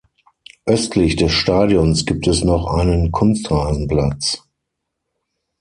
Östlich des Stadions gibt es noch einen Kunstrasenplatz.